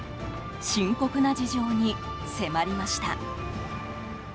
深刻な事情に迫りました。